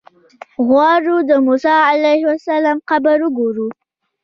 غواړو د موسی علیه السلام قبر وګورو.